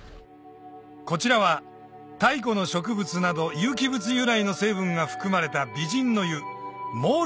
こちらは太古の植物など有機物由来の成分が含まれた美人の湯うわ。